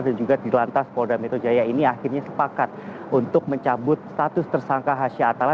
dan juga dilantas polda metro jaya ini akhirnya sepakat untuk mencabut status tersangka hasha atala